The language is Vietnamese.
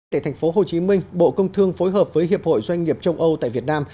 tại thành phố hồ chí minh bộ công thương phối hợp với hiệp hội doanh nghiệp châu âu tại việt nam